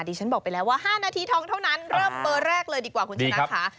ฉันบอกไปแล้วว่า๕นาทีทองเท่านั้นเริ่มเบอร์แรกเลยดีกว่าคุณชนะค่ะ